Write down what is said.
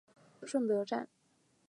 顺德站